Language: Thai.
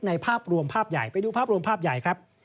ภาพรวมภาพใหญ่ไปดูภาพรวมภาพใหญ่ครับ